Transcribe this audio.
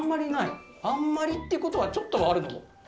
あんまりってことはちょっとはあるの？